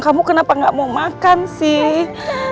kamu kenapa gak mau makan sih